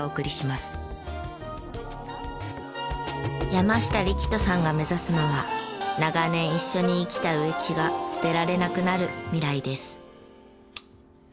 山下力人さんが目指すのは長年一緒に生きた植木が捨てられなくなる未来です。